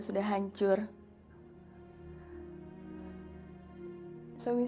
suami saya sedang keluar kota